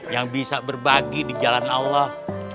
yang bisa berbagi di jalan allah